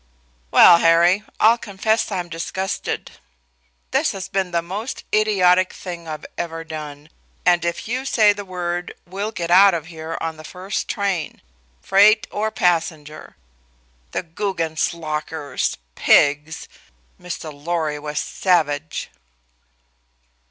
"Well, Harry, I'll confess I'm disgusted. This has been the most idiotic thing I've ever done, and if you say the word we'll get out of here on the first train freight or passenger. The Guggenslockers pigs!" Mr. Lorry was savage.